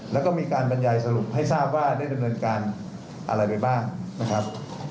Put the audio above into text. แล้วก็มีการบรรยายสรุปให้ทราบว่าได้ดำเนินการอะไรไปบ้างนะครับ